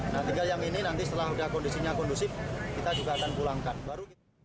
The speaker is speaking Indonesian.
nah tinggal yang ini nanti setelah kondisinya kondusif kita juga akan pulangkan